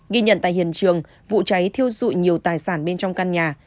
ghi nhận tại hiện trường vụ cháy thiêu dụi nhiều tài sản bên trong căn nhà